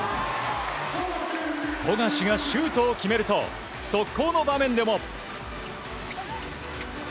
富樫がシュートを決めると速攻の場面でも。